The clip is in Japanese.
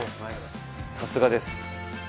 さすがです。